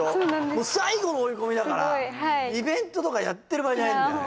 もう最後の追い込みだからはいイベントとかやってる場合じゃないんだよね